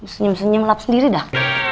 senyum senyum lap sendiri dah